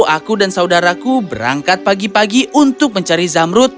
aku dan saudaraku berangkat pagi pagi untuk mencari zamrut